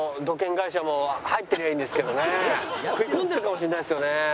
食い込んでるかもしれないですよね。